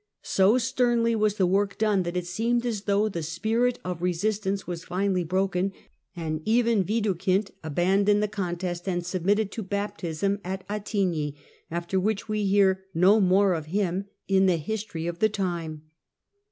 So sternly was the work done that it seemed as though the spirit of resistance was finally broken, and even Widukind abandoned the contest and submitted to baptism at Attigni, after which we hear no more of him in the history of the time.